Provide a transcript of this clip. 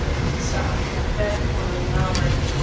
Sir Arthur had a bad quarter of an hour.